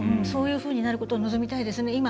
そういうふうになることを望みたいですね。